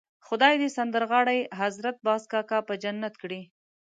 خدای دې سندرغاړی حضرت باز کاکا په جنت کړي.